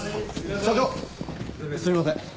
社長すみません